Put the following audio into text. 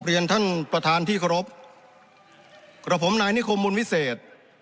เปลี่ยนท่านประธานที่เคราะห์กระผมนายนิคมมูลวิเศษ